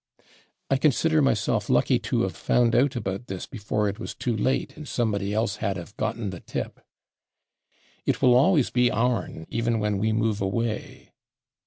I consider myself lucky to /of/ found out about this before it was too late and somebody else had /of/ gotten the tip.... It will always be /ourn/, even when we move away....